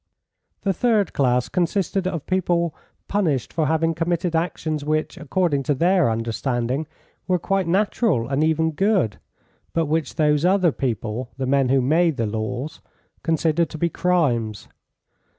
The third class consisted of people punished for having committed actions which, according to their understanding, were quite natural, and even good, but which those other people, the men who made the laws, considered to be crimes.